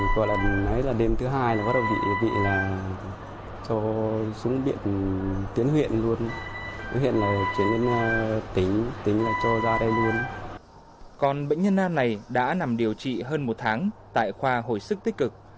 còn bệnh nhân nam này đã nằm điều trị hơn một tháng tại khoa hồi sức tích cực